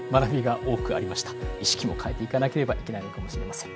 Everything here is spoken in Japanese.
意識も変えていかなければいけないのかもしれません。